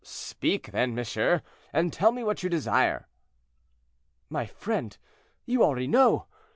"Speak, then, monsieur, and tell me what you desire." "My friend, you already know.